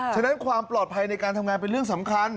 ฉะนั้นความปลอดภัยในการทำงานเป็นเรื่องสำคัญ